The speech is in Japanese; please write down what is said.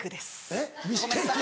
えっミステイク？